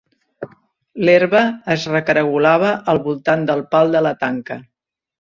L'herba es recaragolava al voltant del pal de la tanca.